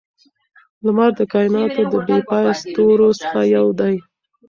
لمر د کائناتو د بې پایه ستورو څخه یو دی.